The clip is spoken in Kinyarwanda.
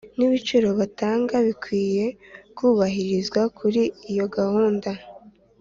Ni ibiciro batanga bikwiye kubahirizwa kuri iyo gahunda